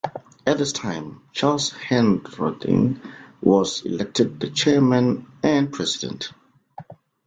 At this time, Charles Henrotin was elected the chairman and president.